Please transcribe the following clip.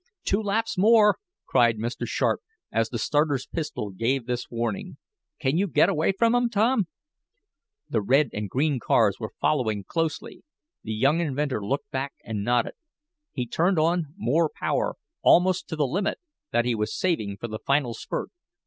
"Two laps more!" cried Mr. Sharp, as the starter's pistol gave this warning. "Can you get away from 'em, Tom?" The red and the green cars were following closely. The young inventor looked back and nodded. He turned on more power, almost to the limit that he was saving for the final spurt.